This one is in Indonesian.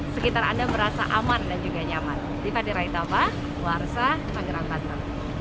sekitar anda merasa aman dan juga nyaman di padirah itabah warsa pangerangkata